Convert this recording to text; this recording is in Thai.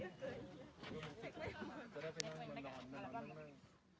เมื่อเวลามีเวลาที่ไม่เห็น